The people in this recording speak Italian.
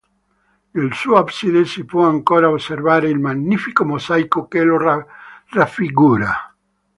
Nel suo abside si può ancora osservare il magnifico mosaico che lo raffigura.